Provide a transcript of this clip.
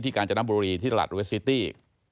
กาญจนบุรีที่ตลาดเวสซิตี้